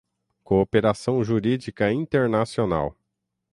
cooperação jurídica internacional